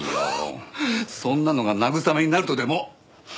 そんなのが慰めになるとでも！？